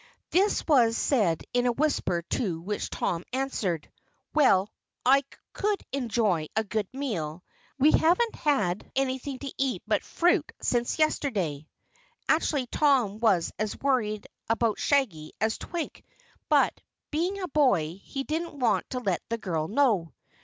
This was said in a whisper, to which Tom answered: "Well, I could enjoy a good meal. We haven't had anything to eat but fruit since yesterday." Actually Tom was as worried about Shaggy as Twink, but, being a boy, he didn't want to let the girl know.